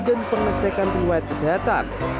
dan pengecekan priwayat kesehatan